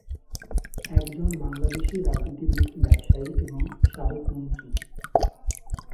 একজন বাংলাদেশি রাজনীতিবিদ, ব্যবসায়ী এবং সাবেক মন্ত্রী।